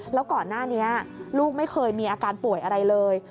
แล้วก่อนหน้านี้ลูกไม่เคยมีอาการป่วยอะไรเลย